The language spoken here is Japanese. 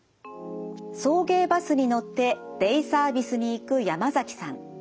送迎バスに乗ってデイサービスに行く山崎さん。